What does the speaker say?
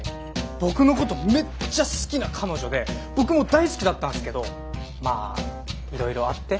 僕のことめっちゃ好きな彼女で僕も大好きだったんですけどまあいろいろあって。